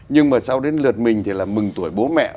nhưng mà sau đến lượt mình thì là mừng tuổi bố mẹ